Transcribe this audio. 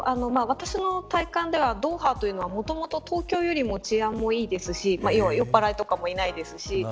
なんですけど、私の体感ではドーハというのは、もともと東京よりも治安もいいですし酔っぱらいとかもいないですし。